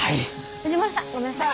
藤丸さんごめんなさい。